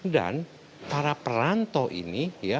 dan para perantau ini